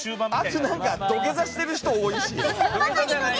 あと土下座している人多いし。